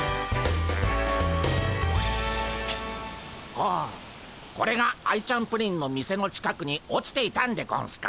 ほうこれがアイちゃんプリンの店の近くに落ちていたんでゴンスか。